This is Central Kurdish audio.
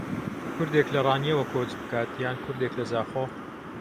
کوردێک لە ڕانیەوە کۆچ بکات یان کوردێک لە زاخۆ